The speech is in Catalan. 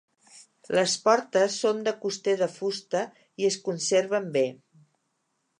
Les portes són de coster de fusta i es conserven bé.